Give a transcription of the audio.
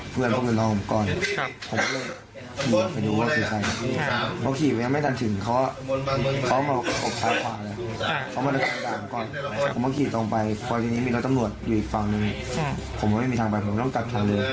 ผมออกไปตำคว้างรถปวดอยู่อีกฝั่งนึงผมยังไม่มีทางบ้างผมต้องกลับเข้าเลย